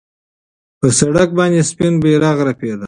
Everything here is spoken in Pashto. پر سړک باندې سپین بیرغ رپېده.